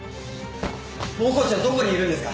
大河内はどこにいるんですか？